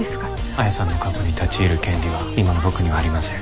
彩さんの過去に立ち入る権利は今の僕にはありません。